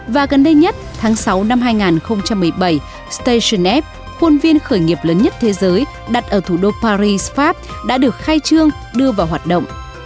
và gần đây nhất tháng sáu năm hai nghìn một mươi bảy station fpp khuôn viên khởi nghiệp lớn nhất thế giới đặt ở thủ đô paris pháp đã được khai trương đưa vào hoạt động